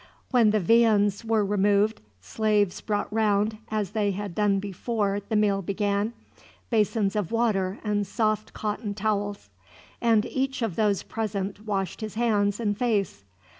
When the viands were removed, slaves brought round, as they had done before the meal began, basins of water and soft cotton towels; and each of those present washed his hands and face.